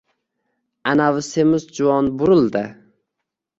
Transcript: Anavi semiz juvon burildi.